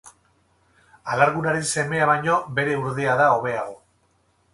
Alargunaren semea baino bere urdea da hobeago.